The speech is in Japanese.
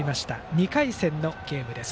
２回戦のゲームです。